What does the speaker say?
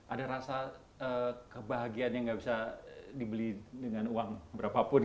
ada rasa kebahagiaan yang nggak bisa dibeli dengan uang berapapun